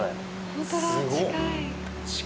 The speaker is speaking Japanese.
本当だ近い。